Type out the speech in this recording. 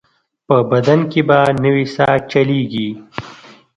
په بدن کې به نوې ساه چلېږي.